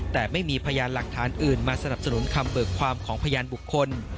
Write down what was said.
แต่ไม่มีพยานหลักฐานอื่นมาสนับสนุนคำเบิกความของพยานบุคคล